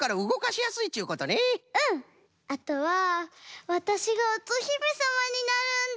あとはわたしがおとひめさまになるんだ！